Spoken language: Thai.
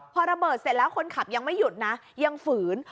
พอระเบิดเสร็จแล้วคนขับยังไม่หยุดนะยังฝืน